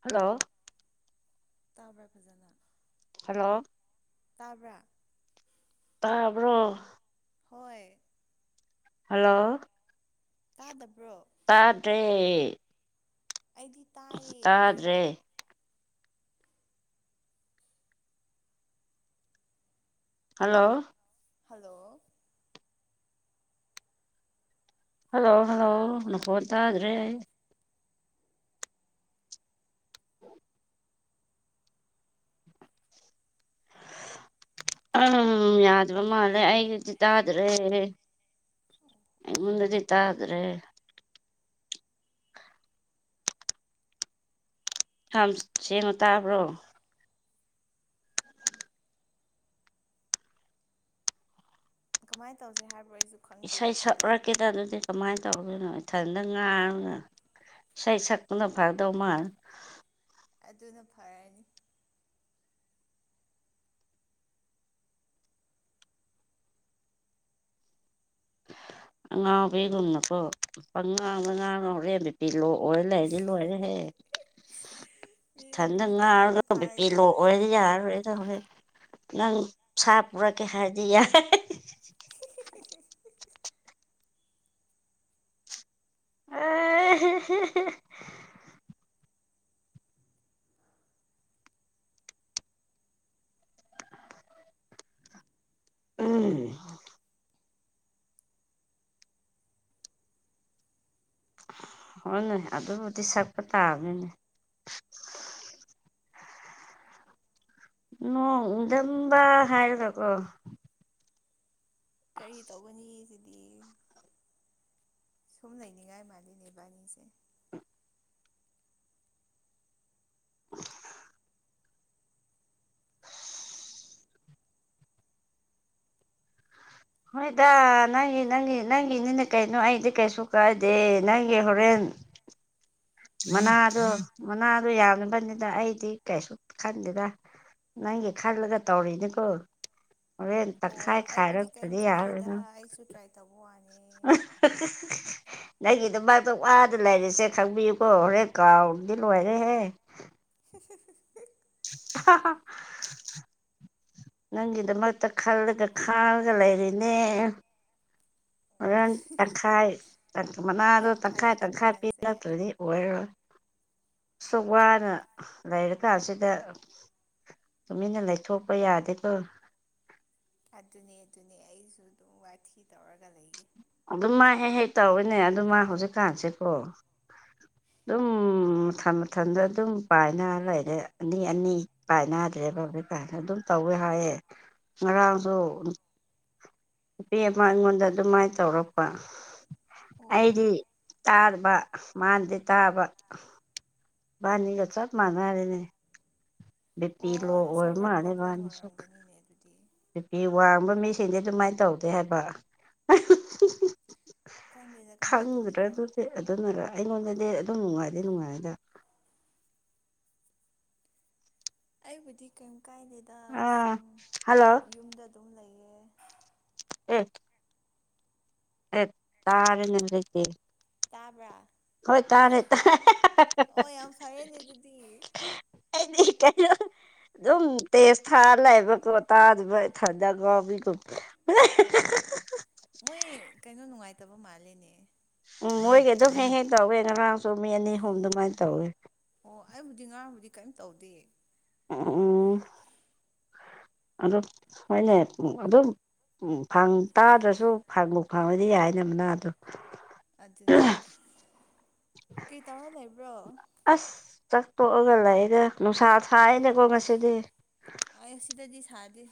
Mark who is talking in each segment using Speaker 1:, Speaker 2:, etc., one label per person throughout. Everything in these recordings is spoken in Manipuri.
Speaker 1: ꯍꯜꯂꯣ
Speaker 2: ꯇꯥꯕ꯭ꯔꯥ ꯐꯖꯅ
Speaker 1: ꯍꯜꯂꯣ
Speaker 2: ꯇꯥꯕ꯭ꯔꯥ
Speaker 1: ꯇꯥꯕ꯭ꯔꯣ
Speaker 2: ꯍꯣꯏ
Speaker 1: ꯍꯜꯂꯣ
Speaker 2: ꯇꯥꯗꯕ꯭ꯔꯣ
Speaker 1: ꯇꯥꯗꯔꯦ
Speaker 2: ꯑꯩꯗꯤ ꯇꯥꯏꯑꯦ
Speaker 1: ꯇꯥꯗ꯭ꯔꯦ ꯍꯜꯂꯣ
Speaker 2: ꯍꯜꯂꯣ
Speaker 1: ꯍꯜꯂꯣ ꯍꯜꯂꯣ ꯅ ꯐꯣꯟ ꯇꯥꯗ꯭ꯔꯦ ꯑꯩ ꯑꯪ ꯌꯥꯗꯕ ꯃꯥꯜꯂꯦ ꯑꯩꯒꯤꯗꯤ ꯇꯥꯗ꯭ꯔꯦ ꯑꯩꯉꯣꯟꯗꯗꯤ ꯇ ꯑꯗꯨ꯭ꯔꯦ ꯌꯥꯝ ꯆꯦꯡꯉꯣ ꯇꯥꯕ꯭ꯔꯣ
Speaker 2: ꯀꯃꯥꯏꯅ ꯇꯧꯁꯦ ꯍꯥꯏꯕ꯭ꯔꯣ ꯑꯩꯁꯨ
Speaker 1: ꯏꯁꯩ
Speaker 2: ꯈꯪꯗ꯭ꯔꯤꯅꯦ ꯁꯤꯗꯤ
Speaker 1: ꯁꯛꯎꯀꯦꯗ ꯑꯗꯨꯗꯤ ꯀꯃꯥꯏꯅ ꯇꯧꯔꯗꯣꯏꯅꯣ ꯏꯊꯟꯇ ꯉꯥꯔꯨꯅ ꯏꯁꯩ ꯁꯛꯄꯨꯅ ꯐꯥꯗꯧ ꯃꯥꯜ
Speaker 2: ꯑꯗꯨꯅ ꯐꯔꯅꯤ
Speaker 1: ꯑ ꯉꯥꯡ ꯄꯤ ꯀꯅꯣꯥꯡ ꯉꯥꯡ ꯄꯤꯂꯣꯛꯑꯣ ꯂꯩꯔꯗꯤ ꯂꯣꯏꯔꯦꯍꯦ
Speaker 2: ꯃꯤꯅꯤꯠ
Speaker 1: ꯏꯊꯟꯗ
Speaker 2: ꯃꯤꯅꯤꯠ ꯇꯔꯥꯕꯨ
Speaker 1: ꯉꯥꯡꯔꯒ ꯕꯤꯄꯤ
Speaker 2: ꯐꯥꯔꯗꯤ ꯌꯥꯔꯦ
Speaker 1: ꯂꯣꯛꯑꯣꯣꯏꯗꯤ
Speaker 2: ꯀꯩꯅꯣ
Speaker 1: ꯌꯥꯔꯔꯣꯏꯗ ꯍꯣꯔꯣꯏ ꯅꯪ ꯁꯥ ꯄꯨꯔꯛꯀꯦ ꯍꯥꯏꯔꯗꯤ ꯌꯥꯏ
Speaker 2: ꯁꯥꯔ ꯀ ꯍꯥꯏ
Speaker 1: ꯑ ꯎꯝ ꯍꯣꯏ ꯅꯣꯏ ꯑꯗꯨꯕꯨꯗꯤ ꯁꯛꯄ ꯇꯥꯕꯅꯤꯅꯦ ꯅꯣꯡ ꯎꯗꯝꯕ ꯍꯥꯏꯔꯒꯀꯣ
Speaker 2: ꯀꯔꯤ ꯇꯧꯒꯅꯤ ꯁꯤꯗꯤ ꯁꯨꯝ ꯅꯅꯤꯉꯥꯏ ꯃꯥꯜꯂꯤꯅꯦꯕꯥꯅꯤꯁꯦ
Speaker 1: [inaudible] ꯍꯣꯏꯗ ꯅꯪꯒꯤ ꯅꯪꯒꯤ ꯅꯪꯒꯤꯅꯤꯅ ꯀꯩꯅꯣ ꯑꯩꯗꯤ ꯀꯩꯁꯨ ꯀꯥꯏꯗꯦ ꯅꯪꯒꯤ ꯍꯣꯔꯦꯟ ꯃꯅꯥꯗꯣ ꯃꯅꯥꯗꯣ ꯌꯥꯝꯕꯅꯤꯅ ꯑꯩꯗꯤ ꯀꯩꯁꯨ ꯈꯟꯗꯦꯗ ꯅꯪꯒꯤ ꯈꯜꯂꯒ ꯇꯧꯔꯤꯅꯦꯀꯣ
Speaker 2: ꯑꯣ ꯑꯩꯕꯨꯗꯤ ꯀꯩꯝ
Speaker 1: ꯌꯥꯔꯔꯣꯏ
Speaker 2: ꯀꯥꯏꯗꯦꯗ
Speaker 1: ꯅꯪ
Speaker 2: ꯑꯩꯁꯨ ꯇ꯭ꯔꯥꯏ ꯇꯧꯕ ꯋꯥꯅꯦ
Speaker 1: ꯅꯪꯒꯤꯗ ꯃꯥꯏꯗꯣꯛ ꯋꯥ ꯂꯩꯔꯤꯁꯦ ꯈꯪꯕꯤꯌꯨꯀꯣ ꯍꯣꯔꯦ ꯀꯥꯎꯔꯗꯤ ꯂꯣꯏꯔꯦꯍꯦ
Speaker 2: [inaudible]
Speaker 1: ꯑ ꯅꯪꯒꯤꯗꯃꯛꯇ ꯈꯜꯂꯒ ꯈꯥꯡꯉꯒ ꯂꯩꯔꯤꯅꯦ ꯃꯔ ꯇꯈꯥꯏ ꯃꯅꯥꯗꯣ
Speaker 2: ꯌꯥꯝ
Speaker 1: ꯇꯪꯈꯥꯏ
Speaker 2: ꯐꯔꯦꯗꯀꯣ
Speaker 1: ꯇꯪꯈꯥꯏ
Speaker 2: ꯅꯪꯁꯦ
Speaker 1: ꯄꯤꯔꯛꯇ꯭ꯔꯗꯤ ꯑꯣꯏꯔꯣꯏ ꯁ ꯋꯥꯅ ꯂꯩꯔꯛ ꯍꯧꯖꯤꯀꯥꯟꯁꯤꯗ ꯇꯨꯃꯤꯟꯅ ꯂꯩꯊꯣꯛꯄ ꯌꯥꯗꯦꯀꯣ
Speaker 2: ꯑꯗꯨꯅꯦ ꯑꯗꯨꯅꯦ ꯑꯩꯁꯨ ꯑꯗꯨꯝ ꯋꯥꯊꯤ ꯇꯧꯔꯒ ꯂꯩꯒꯦ
Speaker 1: ꯑꯗꯨ ꯃꯥ ꯍꯦꯛ ꯍꯦꯛ ꯇꯧꯋꯤꯅꯦ ꯑꯗꯨ ꯃꯥ ꯍꯧꯖꯤꯛꯀꯥꯟꯁꯤꯦꯀꯣ ꯑꯗꯨꯝ ꯃꯊꯟ ꯃꯊꯟꯗ ꯑꯗꯨꯝ ꯄꯥꯏꯅ ꯂꯩꯔꯦ ꯑꯅꯤ ꯑꯅꯤ ꯄꯥꯏꯅꯗ꯭ꯔꯦ ꯄꯕ꯭ꯂꯤ ꯀꯥꯏꯅ ꯑꯗꯨꯝ ꯇꯧꯋꯦ ꯍꯥꯏꯌꯦꯦ ꯉꯔꯥꯡꯁꯨ ꯅꯨꯄꯤ ꯑꯃ ꯑꯩꯉꯣꯟꯗ ꯑꯗꯨꯃꯥꯏꯅ ꯇꯧꯔꯛꯄ
Speaker 2: ꯑꯣ
Speaker 1: ꯑꯩꯗꯤ ꯇꯥꯔꯕꯥ ꯃꯥꯥꯟꯦ ꯇꯥꯔꯕꯥ ꯅꯤꯒ ꯆꯠ ꯃꯥ ꯃꯥꯔꯦꯅꯦ ꯕꯤ ꯄꯤ ꯂꯣ
Speaker 2: ꯑꯣ
Speaker 1: ꯑꯣꯏ
Speaker 2: ꯁꯔꯚꯔ
Speaker 1: ꯃꯥꯅꯤ
Speaker 2: ꯄ꯭ꯔꯣꯕ꯭ꯂꯦꯝ
Speaker 1: ꯋꯥꯅꯤꯁ
Speaker 2: ꯑꯣꯏꯔꯝꯒꯅꯤꯅꯦ ꯑꯗꯨꯗꯤ
Speaker 1: ꯅꯨꯄꯤꯤ ꯋꯥꯡꯕ ꯃꯤꯁꯤꯡꯗꯤ ꯑꯗꯨꯃꯥꯏꯅ ꯇꯧꯗꯦ ꯍꯥꯏꯕ
Speaker 2: ꯈꯪꯗꯦꯗ ꯀꯃꯥꯏꯅ
Speaker 1: ꯈꯪꯕ꯭ꯔꯥ
Speaker 2: ꯇꯧꯁꯤꯔꯥ
Speaker 1: ꯑꯗꯨ ꯁꯤ ꯑꯗꯨꯅꯔ ꯑꯩꯉꯣꯟꯗꯗꯤ ꯑꯗꯨꯝ ꯅꯨꯡꯉꯥꯏꯗꯤꯦ ꯅꯨꯡꯉꯥꯏꯔꯗ
Speaker 2: ꯑꯩꯕꯨꯗꯤ ꯀꯩꯝ ꯀꯥꯏꯗꯦꯗ
Speaker 1: ꯑꯥ
Speaker 2: ꯁꯨꯝ
Speaker 1: ꯍꯜꯂꯣ
Speaker 2: ꯌꯨꯝꯗ ꯑꯗꯨꯝ ꯂꯩꯌꯦ꯫
Speaker 1: [unintelligible] ꯑꯦꯠ ꯇꯥꯔꯦꯅꯦ ꯍꯧꯖꯤꯛꯇꯤ꯫
Speaker 2: ꯇꯥꯕ꯭ꯔꯥ꯫
Speaker 1: ꯍꯣꯏ ꯇꯥꯔꯦ ꯇꯥ꯫
Speaker 2: ꯑꯣ ꯌꯥꯝ ꯐꯔꯦꯅꯦ
Speaker 1: [unintelligible]
Speaker 2: ꯑꯗꯨꯗꯤ
Speaker 1: ꯑꯩꯗꯤ ꯀꯩꯅꯣ ꯑꯗꯨꯝ ꯇꯦꯖ ꯊꯥ ꯂꯩꯕꯀꯣ ꯇꯥꯗꯕ ꯏꯊꯟꯗ ꯉꯥꯎꯕꯤꯒꯨꯝ꯫
Speaker 2: ꯑꯣ ꯃꯣꯏ ꯀꯩꯅꯣ ꯅꯨꯡꯉꯥꯏꯇꯕ ꯃꯥꯜꯂꯦꯅꯦ꯫
Speaker 1: ꯎꯝ ꯃꯣꯏꯒ ꯑꯗꯨꯝ ꯍꯦꯛ ꯍꯦꯛ ꯇꯧꯋꯦ ꯉꯔꯥꯡꯁꯨ ꯃꯤ ꯑꯅꯤ ꯍꯨꯝ ꯑꯗꯨꯃꯥꯏ ꯇꯧꯋꯦ꯫
Speaker 2: ꯑꯣ ꯑꯩꯕꯨꯗꯤ ꯉꯥꯥꯡꯕꯨꯗꯤ ꯀꯔꯤꯝ ꯇꯧꯗꯦ
Speaker 1: ꯑꯣ ꯍ ꯑꯗꯨꯣ ꯍꯅꯦ ꯑꯗꯨꯣ ꯎꯝ ꯇꯥꯗ꯭ꯔꯁꯨ ꯐꯪꯕ ꯐꯪꯉꯗꯤ ꯌꯥꯏꯗꯅꯕꯅꯗ
Speaker 2: ꯑꯗꯨꯅꯦ ꯀꯩ ꯇꯧꯔ ꯂꯩꯕ꯭ꯔꯣ
Speaker 1: ꯑꯁ ꯆꯥꯛꯇꯣꯛꯑꯒ ꯂꯩꯒ ꯅꯨꯡꯁꯥ ꯊꯥꯏꯅꯦꯀꯣ ꯉꯁꯤꯗꯤ
Speaker 2: ꯑ ꯁꯤꯗꯗꯤ ꯁꯥꯗꯦ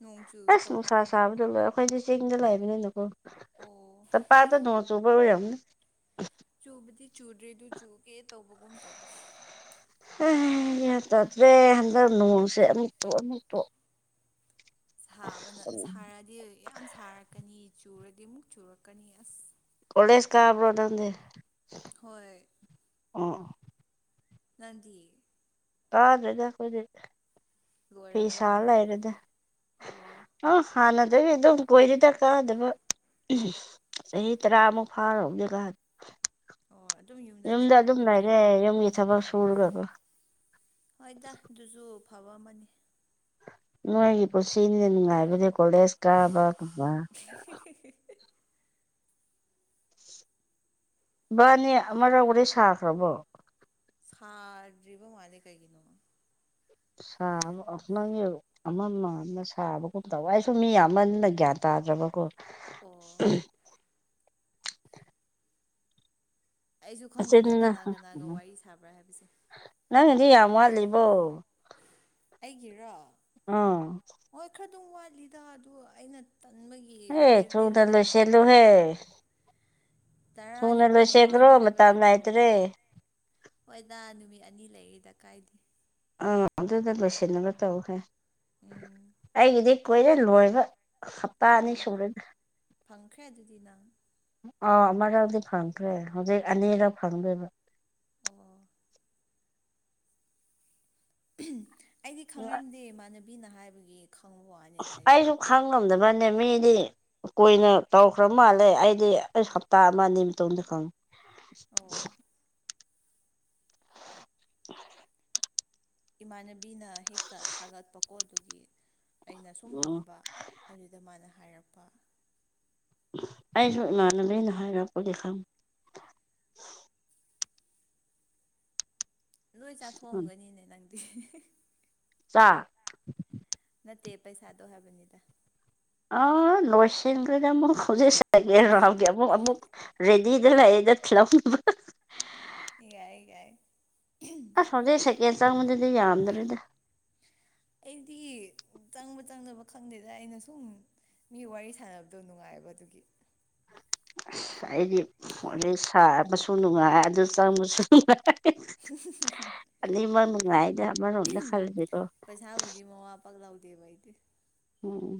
Speaker 2: ꯅꯣꯡ ꯆꯨꯒꯦ
Speaker 1: ꯑꯁ
Speaker 2: ꯇꯧꯋꯦ
Speaker 1: ꯅꯨꯡꯁꯥ ꯁꯥꯕꯗꯣ ꯂꯣꯏ ꯑꯩꯈꯣꯏꯗꯤ ꯆꯤꯡꯗ ꯂꯩꯕꯅꯤꯅꯀꯣ
Speaker 2: ꯑꯣ
Speaker 1: ꯆꯞꯄꯥꯗ ꯅꯣꯡ ꯆꯨꯕ ꯑꯣꯏꯔꯝꯅꯤ꯫
Speaker 2: ꯆꯨꯕꯗꯤ ꯆꯨꯗ꯭ꯔꯦꯗꯨ ꯆꯨꯒꯦ ꯇꯧꯕꯒꯨꯝ ꯇꯧꯕ꯫
Speaker 1: [unintelligible] ꯒ꯭ꯌꯥꯟ ꯇꯥꯗ꯭ꯔꯦ ꯍꯟꯗꯛ ꯅꯣꯡꯁꯦ ꯑꯃꯨꯛꯇꯣ ꯑꯃꯨꯛꯇꯣꯛ꯫
Speaker 2: ꯁꯥꯕꯅ ꯁꯥꯔꯛꯑꯗꯤ ꯌꯥꯝ ꯁꯥꯔꯛꯀꯅꯤ ꯆꯨꯔꯗꯤ ꯑꯃꯨꯛ ꯆꯨꯔꯛꯀꯅꯤ ꯑꯁ꯫
Speaker 1: ꯀꫭꯂꯦꯁ ꯀꯥꯕ꯭ꯔꫭ ꯅꯪꯗꯤ꯫
Speaker 2: ꯍꯣꯏ꯫
Speaker 1: ꯑꫭ꯫
Speaker 2: ꯅꯪꯗꯤ꯫
Speaker 1: ꯇꯥꯗ꯭ꯔꯦꯗ ꯈꫭꯏꯗꯤ ꯐꯤ
Speaker 2: ꯂꯣꯏꯔꯕꯣ
Speaker 1: ꯁꯥ ꯂꯩꯔꯦꯗ꯫
Speaker 2: ꯑꯣ
Speaker 1: ꯑ ꯍꯥꯟꯅꯗꯒꯤ ꯑꯗꯨꯝ ꯀꯨꯏꯔꯦꯗ ꯀꯥꯗꯕ꯫ [unintelligible] ꯆꯍꯤ ꯇꯔꯥ ꯑꯃꯨꯛ ꯐꯥꯔ ꯍꯖꯤꯀꯥꯟ
Speaker 2: ꯑꯣ ꯑꯗꯨꯝ
Speaker 1: ꯌꯨꯝꯗ
Speaker 2: ꯂꯩꯕ꯭ꯔꯥ
Speaker 1: ꯑꯗꯨꯝ
Speaker 2: ꯑꯗꯨꯗꯤ
Speaker 1: ꯂꯩꯔꯦ ꯌꯨꯝꯒꯤ ꯊꯕꯛ
Speaker 2: ꯑꯣ
Speaker 1: ꯁꯨꯔꯒꯀꫭ꯫
Speaker 2: ꯍꯣꯏꯗ ꯑꯗꯨꯁꯨ ꯐꯕ ꯑꯃꯅꯤ꯫
Speaker 1: ꯅꯣꯏꯒꯤ ꯄꯨꯟꯁꯤꯅꯤꯅꯦ ꯅꯨꯡꯉꯥꯏꯕꯗꯤ ꯀꯣꯜꯦꯖ ꯀꯥꯕ ꯀꯨꯝꯕ꯫
Speaker 2: [unintelligible]
Speaker 1: ꯕꯥꯅꯦ ꯑꯃꯥꯔꯛꯄꯨꯗꯤ ꯁꯥꯈ꯭ꯔꯕꯣ꯫
Speaker 2: ꯁꯥꯗ꯭ꯔꯤꯕ ꯃꯥꯂꯦ ꯀꯩꯒꯤꯅꯣ꯫
Speaker 1: ꯁꯥꯕ ꯑꫭ ꯅꯪꯒꯤ ꯑꯃ ꯃꯥꯟꯕ ꯁꯥꯕꯒꯨꯝ ꯇꯋꯦ ꯑꯩꯁꯨ ꯃꯤ ꯌꯥꯝꯃꯟꯅ ꯒ꯭ꯌꯥꯟ ꯇꯥꯗ꯭ꯔꯕꯀꯣ꯫
Speaker 2: ꯑꯣ꯫ ꯑꯩꯁꯨ ꯈꯪꯗꯦꯗ
Speaker 1: ꯅꯆꯤꯟꯅ
Speaker 2: ꯀꯅꯥ ꯀꯅꯥꯒ ꯋꯥꯔꯤ ꯁꯥꯕ꯭ꯔꯥ ꯍꯥꯏꯕꯁꯦ꯫
Speaker 1: ꯅꯪꯅꯗꯤ ꯌꯥꯝ ꯋꯥꯠꯂꯤꯕꯣ꯫
Speaker 2: ꯑꯩꯒꯤꯔꯣ꯫
Speaker 1: ꯑꯥ꯫
Speaker 2: ꯍꯣꯏ ꯈꯔ ꯑꯗꯨꯝ ꯋꯥꯠꯂꯤꯗ ꯑꯗꯨ ꯑꯩꯅ ꯇꯟꯕꯒꯤ
Speaker 1: ꯍꯦ ꯊꯨꯅ
Speaker 2: [inaudible] ꯂꯩꯕ꯫
Speaker 1: ꯂꯣꯏꯁꯤꯜꯂꯨꯍꯦ ꯊꯨꯅ
Speaker 2: ꯇꯔꯥꯅꯤꯄꯥꯟ
Speaker 1: ꯂꯣꯏꯁꯤꯟꯈ꯭ꯔꯣ
Speaker 2: ꯃꯃꯥꯡꯗ ꯍꯥꯏꯕ
Speaker 1: ꯃꯇꯝ
Speaker 2: ꯅꯠꯇ꯭ꯔꯣ꯫
Speaker 1: ꯂꯩꯇ꯭ꯔꯦ
Speaker 2: ꯍꯣꯏꯗꯥ ꯅꯨꯃꯤꯠ ꯑꯅꯤ ꯂꯩꯔꯤꯗ ꯀꯥꯏꯗꯦ꯫
Speaker 1: ꯑꯥ ꯑꯗꯨꯗ ꯂꯣꯏꯁꯤꯟꫪꯕ ꯇꯧꯈ꯭ꯔꯦ꯫
Speaker 2: ꯎꯝ꯫
Speaker 1: ꯑꯩꯒꯤꯗꯤ ꯀꯨꯏꯔꯦ ꯂꯣꯏꯕ ꯍꯞꯇꯥ ꯑꯅꯤ
Speaker 2: ꯑꯣ
Speaker 1: ꯁꯨꯔꯦꯗ
Speaker 2: ꯐꯪꯈ꯭ꯔꯦ ꯑꯗꯨꯗꯤ ꯅꯪ
Speaker 1: ꯑꯥ ꯑꯃꯔꯥꯎꯗꯤ ꯐꯪꯈ꯭ꯔꯦ ꯍꯧꯖꯤꯛ ꯑꯅꯤꯔꯛ ꯐꯪꯗꯣꯏꯕ
Speaker 2: ꯑꯣ ꯑꯩꯗꯤ ꯈꯪꯅꯔꯝꯗꯦ ꯏꯃꯥꯟꯅꯕꯤꯅ ꯍꯥꯏꯕꯒꯤ ꯈꯪꯕ ꯋꯥꯅꯤ
Speaker 1: ꯑꯩꯁꯨ ꯈꯪ ꯉꯝꯗꯕ ꯋꯥꯅꯦ ꯃꯤꯗꯤ ꯀꯣꯏꯅ ꯇꯧꯈ꯭ꯔꯕ ꯃꯥꯜꯂꯦ ꯑꯩꯗꯤ ꯑꯩ ꯍꯞꯇꯥ ꯑꯃ ꯑꯅꯤ ꯃꯇꯨꯡꯗ ꯈꯪꯉꯤ
Speaker 2: ꯑꯣ
Speaker 1: [inaudible]
Speaker 2: ꯏꯃꯥꯟꯅꯕꯤꯅ ꯍꯦꯛꯇ ꯊꯥꯒꯠꯄꯀꯣ ꯑꯗꯨꯒꯤ ꯑꯩꯅ ꯁꯨꯝ
Speaker 1: ꯎꯝ
Speaker 2: ꯍꯪꯕ ꯑꯗꯨꯗ ꯃꯥꯅ ꯍꯥꯏꯔꯛꯄ
Speaker 1: ꯑꯩꯁꯨ ꯏꯃꯥꯟꯅꯕꯤꯅ ꯍꯥꯏꯔꯛꯄꯗꯤ ꯈꯪ
Speaker 2: ꯂꯣꯏ
Speaker 1: ꯎꯝ
Speaker 2: ꯆꯥꯊꯣꯛꯑꯝꯒꯅꯤꯅꯦ ꯅꯪꯗꯤ꯫ [unintelligible]
Speaker 1: ꯆꯥꯛ꯫
Speaker 2: ꯅꯠꯇꯦ ꯄꯩꯁꯥꯗꯣ ꯍꯥꯏꯕꯅꯤꯗ꯫
Speaker 1: ꯑꯥ ꯅꯣꯏꯁꯤꯡꯈ꯭ꯔꯦꯗ ꯃꯨꯛ꯫ ꯍꯧꯖꯤꯛ ꯁꯥꯒꯦ ꯔꯥꯎꯟꯒꯤ ꯑꯃꯨꯛ ꯑꯃꯨꯛ ꯔꯦꯗꯤꯗ ꯂꯩꯑꯦꯗ ꯊꯤꯜꯂꯝꯕ꯫
Speaker 2: ꯏꯌꯥꯏ ꯒꯥꯏ꯫
Speaker 1: ꯑꯁ ꯍꯧꯖꯤꯛ ꯁꯦꯀꯦꯟ ꯆꯪꯕꯗꯨꯗꯤ ꯌꯥꯝꯗ꯭ꯔꯦꯗ꯫
Speaker 2: ꯑꯩꯗꯤ ꯆꯪꯕ ꯆꯪꯗꯕ ꯈꯪꯗꯦꯗ ꯑꯩꯅ ꯁꯨꯝ ꯃꯤ ꯋꯥꯔꯤ ꯁꯥꯟꯅꯕꯗꯣ ꯅꯨꯡꯉꯥꯏꯕ ꯑꯗꯨꯒꯤ꯫
Speaker 1: ꯑꯁ ꯑꯩꯗꯤ ꯋꯔꯤ ꯁꯥꯕꯁꯨ ꯅꯨꯡꯉꯥꯏ ꯑꯗꯨ ꯆꯪꯕꯁꯨ ꯅꯨꯡꯉꯥꯏ꯫ [unintelligible] ꯑꯅꯤꯃꯛ ꯅꯨꯡꯉꯥꯏꯗ ꯑꯃꯔꯣꯝꯗ ꯈꯜꯂꯗꯤꯀꯣ
Speaker 2: ꯄꯩꯁꯥꯕꯨꯗꯤ [unintelligible]
Speaker 1: ꯎꯝ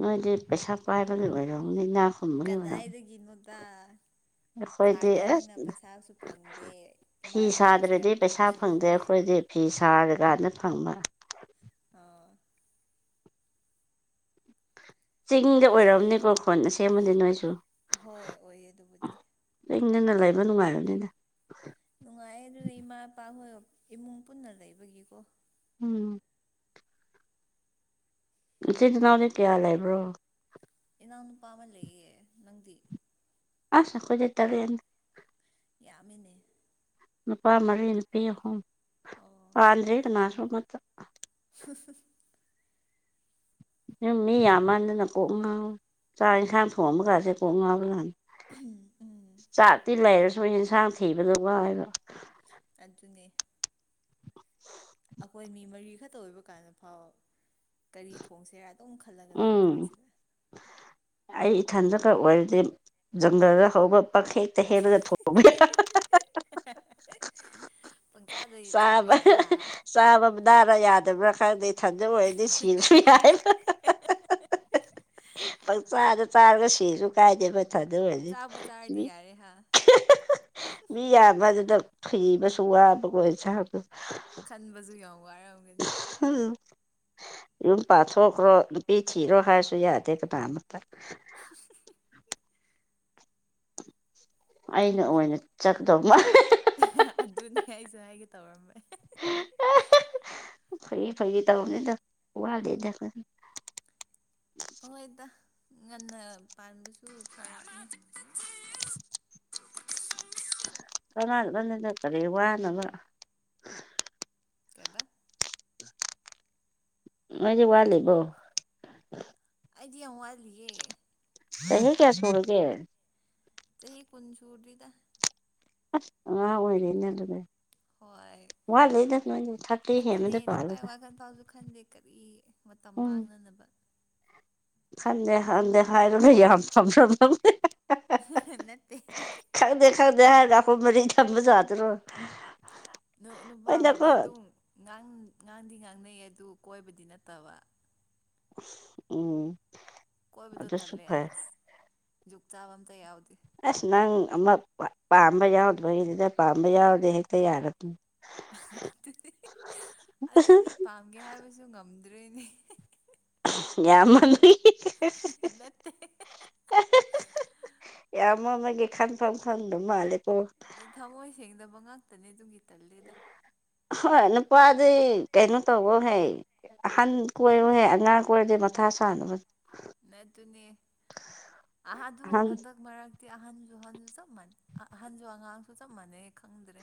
Speaker 1: ꯅꯣꯏꯗꯤ ꯄꯩꯁꯥ ꯄꯥꯏꯕꯒꯤ ꯑꯣꯏꯔꯝꯒꯅꯤꯅ
Speaker 2: ꯀꯗꯥꯏ ꯗꯒꯤꯅꯣꯗ
Speaker 1: ꯑꯩꯈꯣꯏꯗꯤ
Speaker 2: ꯁꯥꯇ꯭ꯔꯅꯤꯅ
Speaker 1: ꯑꯁ
Speaker 2: ꯄꯩꯁꯥꯁꯨ ꯐꯪꯗꯦ
Speaker 1: ꯐꯤ
Speaker 2: ꯏꯃꯥ ꯏꯄꯥꯅꯁꯨ
Speaker 1: ꯁꯥꯗ꯭ꯔꯗꯤ
Speaker 2: ꯌꯥꯝ
Speaker 1: ꯄꯩꯁꯥ
Speaker 2: ꯄꯤꯕꯁꯨ
Speaker 1: ꯐꯪꯗꯦ
Speaker 2: ꯅꯠꯇꯦ
Speaker 1: ꯑꯩꯈꯣꯏꯗꯤ ꯐꯤ ꯁꯥꯔꯀꯥꯟꯗ ꯐꯪꯕ
Speaker 2: ꯑꯣ
Speaker 1: ꯆꯤꯡꯗ
Speaker 2: ꯍꯧꯖꯤꯛ
Speaker 1: ꯑꯣꯏꯔꯝꯅꯤꯀꯣ ꯈꯨꯟ ꯑꯁꯦꯡꯕꯗꯤ ꯅꯣꯏꯁꯨ
Speaker 2: ꯍꯣꯏ ꯑꯣꯏꯌꯦ ꯑꯗꯨꯕꯨꯗꯤ
Speaker 1: ꯆꯤꯡꯗꯅ ꯂꯩꯕ ꯅꯨꯡꯉꯥꯏꯔꯅꯤꯗ
Speaker 2: ꯅꯨꯡꯉꯥꯏꯌꯦ ꯑꯗꯨ ꯏꯃꯥ ꯏꯄꯥ ꯍꯣꯏ ꯏꯃꯨꯡ ꯄꯨꯟꯅ ꯂꯩꯕꯒꯤꯀꯣ
Speaker 1: ꯎꯝ ꯏꯆꯤꯟ ꯏꯅꯥꯎꯗꯤ ꯀꯌꯥ ꯂꯩꯕ꯭ꯔꯣ
Speaker 2: ꯏꯅꯥꯎ ꯅꯨꯄꯥ ꯑꯃ ꯂꯩꯌꯦ ꯅꯪꯗꯤ
Speaker 1: ꯑꯁ ꯑꯩꯈꫭꯏꯗꯤ ꯇꯔꯦꯠꯅꯤ
Speaker 2: ꯌꯥꯝꯃꯦꯅꯦ
Speaker 1: ꯅꯨꯄꯥ ꯃꯔꯤ ꯅꯨꯄꯤ ꯑꯍꯨꯝ
Speaker 2: ꯑꯣ
Speaker 1: ꯄꯥꯟꯗ꯭ꯔꯤ ꯀꯅꯥꯁꯨ ꯑꯃꯠꯇ
Speaker 2: [unintelligible]
Speaker 1: ꯌꯨꯝ ꯃꯤ ꯌꯥꯝꯃꯟꯗꯅ ꯀꯣꯛ ꯉꯥꯎꯋꯤ ꯆꯥꯛ ꯌꯦꯟꯁꯥꯡ ꯊꯣꯡꯕꯒꯥꯁꯦ ꯀꯣꯛ ꯉꯥꯎꯕ ꯖꯥꯠꯅꯤ
Speaker 2: ꯎꯝ
Speaker 1: ꯆꯥꯛꯇꯤ ꯂꯩꯔꯁꯨ ꯑꯦꯟꯁꯥꯡ ꯊꯤꯕꯗꯣ ꯋꯥꯏꯕ
Speaker 2: ꯑꯗꯨꯅꯦ
Speaker 1: [inaudible]
Speaker 2: ꯑꯩꯈꯣꯏ ꯃꯤ ꯃꯔꯤ ꯈꯛꯇ ꯑꯣꯏꯕ ꯀꯥꯟꯗ ꯐꯥꯎ ꯀꯔꯤ ꯊꯣꯡꯁꯦ ꯑꯗꯨꯝ ꯈꯜꯂꯒ ꯂꯩꯕ
Speaker 1: ꯎꯝ
Speaker 2: ꯀꯥꯟꯁꯤꯗ
Speaker 1: ꯑꯩ ꯏꯊꯟꯗꯀ ꯑꯣꯏꯔꯗꯤ ꯖꯪꯒꯜꯗ ꯍꯧꯕ ꯄꯪ ꯍꯦꯛꯇ ꯍꯦꯜꯂꯒ ꯊꯣꯛ
Speaker 2: [unintelligible] ꯄꯪꯆꯥꯥꯗ ꯆꯥꯕ ꯌꯥꯏ ꯍꯥ
Speaker 1: ꯆꯥꯕ [unintelligible] ꯌꯥꯗꯕ꯭ꯔꯥ ꯈꯪꯗꯦ ꯏꯊꯟꯗ ꯑꯣꯏꯔꯗꯤ ꯁꯤꯔꯁꯨ ꯌꯥꯏꯕ ꯄꯪ ꯆꯥꯗ ꯆꯥꯔꯒ ꯁꯤꯔꯁꯨ ꯀꯥꯏꯗꯦꯕ
Speaker 2: ꯆꯥꯕꯨ ꯆꯥꯔꯗꯤ ꯌꯥꯔꯦ ꯍꯥ
Speaker 1: [unintelligible] ꯃꯤ ꯌꯥꯝꯕ ꯑꯗꯨꯗ ꯊꯤꯕꯁꯨ ꯋꯥꯕꯀꯣ ꯏꯟꯁꯥꯡꯗꯣ
Speaker 2: ꯈꯟꯕꯖꯨ ꯌꯥꯝ ꯋꯥꯔꯝꯒꯅꯤ
Speaker 1: ꯎꯝ ꯌꯨꯝ ꯄꯥꯊꯣꯛꯈ꯭ꯔꯣ ꯅꯨꯄꯤ ꯊꯤꯔꯣ ꯍꯥꯏꯔꯁꯨ ꯌꯥꯗꯦ ꯀꯅꯥ ꯑꯃꯇ
Speaker 2: ꯍ
Speaker 1: ꯑꯩꯅ ꯑꯣꯏꯅ ꯆꯠꯗꯕ ꯃꯥ
Speaker 2: ꯑꯗꯨꯅꯤ ꯑꯩꯁꯨ ꯑꯩꯒ ꯇꯧꯔꯝꯃꯦ
Speaker 1: ꯐꯩ ꯐꯩ ꯇꯧꯔꯝꯅꯤꯗ ꯋꯥꯠꯂꯤꯗ
Speaker 2: ꯍꯍꯣꯏꯗ ꯉꯟꯅ ꯄꯥꯟꯕꯁꯨ ꯈꯔ
Speaker 1: [unintelligible] [unintelligible] ꯀꯔꯤ ꯋꯥꯅꯕ
Speaker 2: ꯀꯩꯕ
Speaker 1: ꯅꯣꯏꯗꯤ ꯋꯥꯠꯂꯤꯕꯣ
Speaker 2: ꯑꯩꯗꯤ ꯌꯥꯝ ꯋꯥꯠꯂꯤꯌꯦ
Speaker 1: ꯆꯍꯤ ꯀꯌꯥ ꯁꯨꯔꯒꯦ
Speaker 2: ꯆꯍꯤ ꯀꯨꯟ ꯁꯨꯨꯗ꯭ꯔꯤꯗ
Speaker 1: ꯑꯁ ꯑꯉꯥꯡ ꯑꯣꯏꯔꯤꯅꯦ ꯑꯗꯨꯗꯤ
Speaker 2: ꯍꯣꯏ
Speaker 1: ꯋꯥ ꯂꯩꯗ
Speaker 2: ꯑꯗꯨꯅꯦ ꯅꯨꯄꯥ ꯋꯥꯈꯜ ꯐꯥꯎꯁꯨ ꯈꯟꯗꯦ ꯀꯔꯤ ꯃꯇꯝ ꯃꯥꯡꯅꯅꯕ
Speaker 1: ꯈꯟꯗꯦ ꯈꯟꯗꯦ ꯍꯥꯏꯔꯨꯅꯦ ꯌꯥꯝ ꯐꯝ꯭ꯔ ꯅꯗꯦ
Speaker 2: ꯅꯠꯇꯦ
Speaker 1: ꯈꯪꯗꯦ ꯈꯪꯗꯦ ꯍꯥꯏꯔꯒ ꯑꯩꯈꯣꯏ ꯃꯔꯤ ꯊꯝꯕ ꯌꯥꯥꯗꯔꯣ
Speaker 2: ꯅꯨꯄꯥꯕꯨꯗꯤ ꯑꯗꯨꯝꯥꯡ ꯉꯥꯡꯗꯤ ꯉꯥꯡꯅꯩ ꯑꯗꯨ ꯀꯣꯏꯕꯗꯤ ꯅꯠꯇꯕ
Speaker 1: ꯎꯝ
Speaker 2: ꯀꯣꯏꯕꯗꯣ
Speaker 1: ꯑꯗꯨꯁꯨ
Speaker 2: ꯇꯜꯂꯦ
Speaker 1: ꯐꯩ
Speaker 2: ꯑꯁ ꯖꯨꯛ ꯆꯥꯕ ꯑꯝꯇ ꯌꯥꯎꯗꯦ
Speaker 1: ꯑꯁ ꯅꯪ ꯑꯃꯛ ꯄꯥꯝꯕ ꯌꯥꯎꯗꯕꯩꯅꯤꯗ ꯄꯥꯝꯕ ꯌꯥꯎꯔꯗꯤ ꯍꯦꯛꯇ ꯌꯥꯔꯗꯣꯏꯅꯤ
Speaker 2: ꯑꯗꯨꯗꯤ ꯑꯗꯨ ꯃꯤ ꯄꯥꯝꯒꯦ ꯍꯥꯏꯕꯁꯨ ꯉꯝꯗ꯭ꯔꯣꯏꯅꯦ
Speaker 1: ꯌꯥꯝ ꯅꯣꯛꯅꯤꯡ
Speaker 2: ꯅꯠꯇꯦ
Speaker 1: ꯑꯦ ꯑꯃ ꯃꯥꯒꯤ ꯈꯥꯟꯄꯝ ꯈꯟꯗꯃ ꯍꯥꯂꯦꯀꯣ
Speaker 2: ꯑꯗꯨ ꯊꯝꯃꯣꯏ ꯁꯦꯡꯗꯕ ꯉꯥꯛꯇꯅꯦ ꯑꯗꯨꯒꯤ ꯇꯜꯂꯦꯗ
Speaker 1: ꯍꯣꯏ ꯅꯨꯄꯥꯗꯤ ꯀꯩꯅꯣ ꯇꯧꯕ ꯍꯩ ꯑꯍꯟ ꯀꯣꯏꯔꯣꯍꯦ ꯑꯉꯥꯡ ꯀꯣꯏꯔꯗꯤ ꯃꯊꯥ ꯁ ꯁꯥꯅꯕꯅꯤ
Speaker 2: ꯅꯠꯇꯨꯅꯦ ꯑꯍꯥꯗꯨ
Speaker 1: ꯑꯍꯟ
Speaker 2: ꯍꯟꯗꯛ ꯃꯔꯛ ꯑꯍꯟꯁꯨ ꯑꯍꯟꯁꯨ ꯆꯞ ꯃꯥꯟꯅꯩ ꯑꯍꯟꯁꯨ ꯑꯉꯥꯡꯁꯨ ꯆꯞ ꯃꯥꯟꯅꯩ ꯈꯪꯗ꯭ꯔꯦ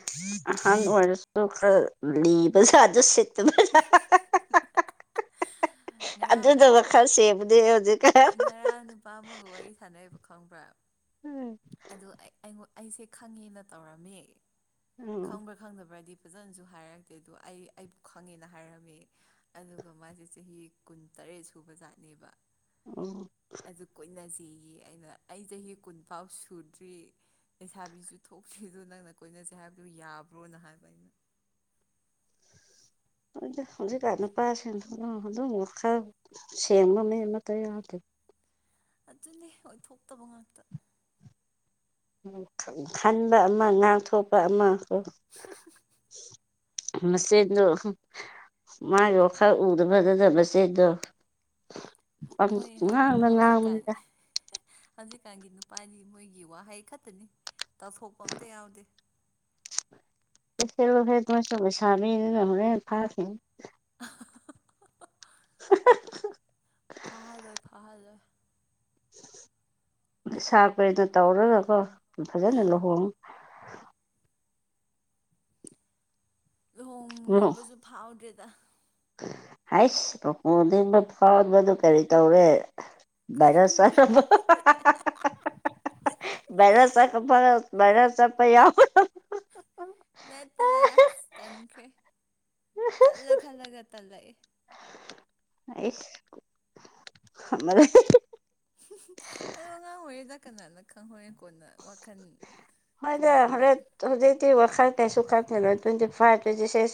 Speaker 1: ꯑꯍꯟ ꯑꯣꯏꯔꯁꯨ ꯑꯗꯨ ꯈꯔ ꯂꯤꯕ ꯖꯥꯠꯅꯦ ꯑꯗꯨ ꯁꯤꯠꯇꯕꯔꯥ ꯍꯥꯍꯥꯍꯥ ꯑꯗꯨ
Speaker 2: ꯉꯔꯥꯡ
Speaker 1: ꯈꯔ ꯁꯦꯕꯗꯤ ꯍꯧꯖꯤꯛ
Speaker 2: ꯉꯔꯥꯡ ꯅꯨꯄꯥ ꯑꯃꯒ ꯋꯥꯔꯤ ꯁꯥꯟꯅꯩꯕ ꯈꯪꯕ꯭ꯔꯥ
Speaker 1: ꯎꯝ
Speaker 2: ꯑꯗꯨ ꯑꯩꯉꯣ ꯑꯩꯁꯦ ꯈꯪꯉꯦꯅ ꯇꯧꯔꯝꯃꯦ ꯈꯪꯕ꯭ꯔꯥ ꯈꯪꯗꯕ꯭ꯔꯗꯤ ꯐꯖꯅꯁꯨ ꯍꯥꯏꯔꯛꯇꯦ ꯑꯩ ꯑꯩꯕꯨ ꯈꯪꯉꯦꯅ ꯍꯥꯏꯔꯝꯃꯦ ꯑꯗꯨꯒ ꯃꯥꯁꯦ ꯆꯍꯤ ꯀꯨꯟꯇꯔꯦꯠ ꯁꯨꯕ ꯖꯥꯠꯅꯦꯕ
Speaker 1: ꯑꯣ
Speaker 2: ꯑꯗꯨ ꯀꯣꯏꯅꯖꯦꯌꯦ ꯑꯩꯅ ꯑꯩ ꯆꯍꯤ ꯀꯨꯟꯐꯥꯎ ꯁꯨꯗ꯭ꯔꯤ ꯂꯩꯁꯥꯕꯤꯁꯨ ꯊꯣꯛꯇ꯭ꯔꯤꯗꯣ ꯅꯪꯅ ꯀꯣꯏꯅꯁꯦ ꯍꯥꯏꯕꯗꯨꯣ ꯌꯥꯕ꯭ꯔꯣꯅ ꯍꯥꯏꯕ ꯑꯩꯅ
Speaker 1: ꯑꯗꯨ ꯍꯧꯖꯤꯛꯀ ꯅꯨꯄꯥꯁꯤꯡ ꯑꯗꯨꯝ ꯈꯔ ꯁꯦꯡꯕ ꯃꯤ ꯑꯃꯠꯇ ꯌꯥꯎꯗꯦ
Speaker 2: ꯑꯗꯨꯅꯦ ꯑꯣꯏꯊꯣꯛꯇꯕ ꯉꯥꯛꯇ
Speaker 1: ꯈꯟꯕ ꯑꯃ ꯉꯥꯛꯊꯣꯛꯄ ꯑꯃ
Speaker 2: [unintelligible]
Speaker 1: ꯃꯆꯦꯗꯨ ꯃꯥꯒꯤ ꯋꯥꯈꯜ ꯎꯗꯕꯗꯨꯗ ꯃꯆꯦꯗꯣ
Speaker 2: ꯃꯣꯏ ꯍꯧꯖꯤꯛꯀꯥꯟ
Speaker 1: ꯉꯥꯡꯕꯅꯤꯗ
Speaker 2: ꯍꯧꯖꯤꯛꯀꯥꯟꯒꯤ ꯅꯨꯄꯥꯗꯤ ꯃꯣꯏꯒꯤ ꯋꯥꯍꯩ ꯈꯛꯇꯅꯤ ꯇꯥꯎꯊꯣꯛꯄ ꯑꯝꯇ ꯌꯥꯎꯗꯦ
Speaker 1: ꯆꯠꯔꫭꯍꯦ ꯅꯣꯏꯁꯨ ꯂꯩꯁꯥꯕꯤꯅꯤꯅ ꯍꯣꯔꯦꯟ ꯐꯥꯈꯤꯅꯤ
Speaker 2: [unintelligible]
Speaker 1: [unintelligible]
Speaker 2: ꯐꯍꯜꯂꯣꯏ ꯐꯍꯜꯂꯣꯏ
Speaker 1: ꯁꯥ ꯀꯩꯗꫭ ꯇꯧꯔꯒꯒ ꯐꯖꯅ
Speaker 2: ꯎꯝ
Speaker 1: ꯂꯨꯍꯣꯡ
Speaker 2: ꯂꯨꯍꯣꯡꯅꯤꯡꯕꯁꯨ ꯐꯥꯎꯗ꯭ꯔꯦꯗ
Speaker 1: ꯍꯁ ꯄꯣꯟꯗꯤꯕ ꯐꯥꯎꯕꯗꯨ ꯀꯔꯤ ꯇꯧꯔꯦ
Speaker 2: ꯈꯪꯗꯦ
Speaker 1: [unintelligible] ꯔꯁ ꯈꯄꯔ ꯔꯁ ꯄꯩ ꯌꯥꯎ
Speaker 2: ꯅꯠꯇꯤ ꯂ ꯇꯟꯈꯤ ꯀꯂ ꯀꯂꯒ ꯇ ꯂꯩꯑꯦ
Speaker 1: ꯑꯩꯔ
Speaker 2: ꯑꯗꯣ ꯑꯉꯥꯡ ꯑꯣꯏꯔꯤꯩꯗ ꯀꯅꯥꯅ ꯈꯪꯍꯧꯣꯔꯦ ꯀꯣꯟꯅ ꯋꯥꯈꯜ
Speaker 1: ꯍꯣꯏꯗ
Speaker 2: ꯇꯣꯉꯥꯟꯕ
Speaker 1: ꯍꯣꯔꯦ ꯍꯧꯖꯤꯛꯇꯥꯏꯁꯨꯥꯏ ꯇ꯭ꯋꯦꯟꯇꯤ ꯐꯥꯏꯚ ꯇ꯭ꯋꯦꯟꯇꯤ ꯁꯤꯛꯁ